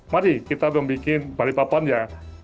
mari kita membuat balai papan ya